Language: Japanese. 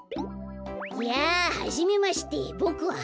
やあはじめましてボクははなかっぱ。